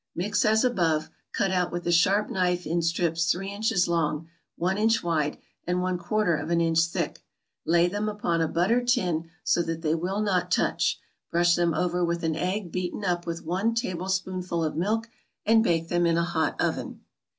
= Mix as above, cut out with a sharp knife in strips three inches long, one inch wide, and one quarter of an inch thick; lay them upon a buttered tin so that they will not touch, brush them over with an egg beaten up with one tablespoonful of milk, and bake them in a hot oven.